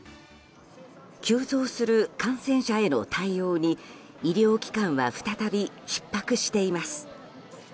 急増する感染者への対応に医療機関は再びひっ迫しています。